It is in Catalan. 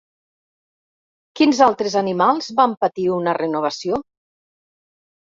Quins altres animals van patir una renovació?